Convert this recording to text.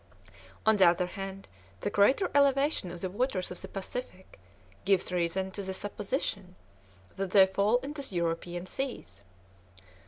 On the other hand, the greater elevation of the waters of the Pacific gives reason to the supposition that they fall into the European seas."